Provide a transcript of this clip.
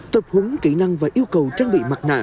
tập húng kỹ năng và yêu cầu trang bị mặt nạ